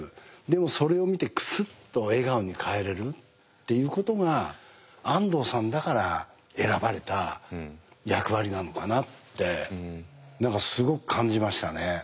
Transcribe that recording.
でもそれを見てクスッと笑顔に変えれるっていうことが安藤さんだから選ばれた役割なのかなって何かすごく感じましたね。